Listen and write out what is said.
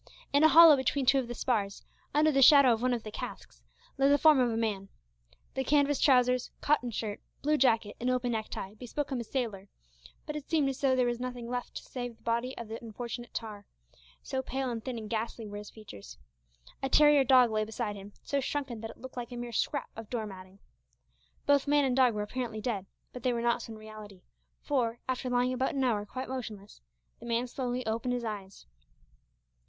In a hollow between two of the spars, under the shadow of one of the casks, lay the form of a man. The canvas trousers, cotton shirt, blue jacket, and open necktie, bespoke him a sailor, but it seemed as though there were nothing left save the dead body of the unfortunate tar, so pale and thin and ghastly were his features. A terrier dog lay beside him, so shrunken that it looked like a mere scrap of door matting. Both man and dog were apparently dead, but they were not so in reality, for, after lying about an hour quite motionless, the man slowly opened his eyes.